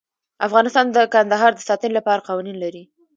افغانستان د کندهار د ساتنې لپاره قوانین لري.